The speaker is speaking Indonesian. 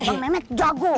bang mehmet jago